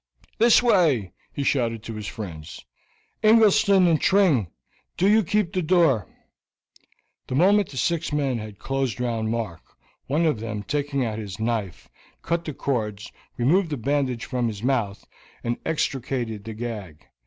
"This way," he shouted to his friends. "Ingleston and Tring, do you keep the door." The moment the six men had closed round Mark, one of them, taking out his knife, cut the cords, removed the bandage from his mouth, and extricated the gag.